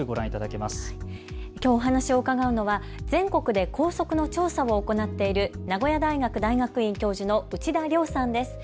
きょうお話を伺うのは全国で校則の調査を行っている名古屋大学大学院教授の内田良さんです。